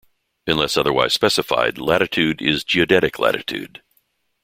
Unless otherwise specified latitude is geodetic latitude.